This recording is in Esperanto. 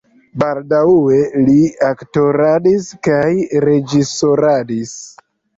Baldaŭe li aktoradis kaj reĝisoradis.